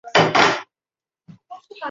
沃埃夫尔地区圣伊莱尔人口变化图示